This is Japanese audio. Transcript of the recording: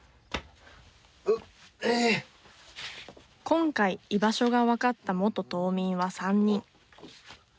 今回居場所がわかった元島民は３人。